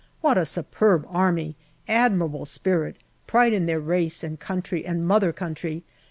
What a superb Army ! Admirable spirit ; pride in their race and country and Mother Country.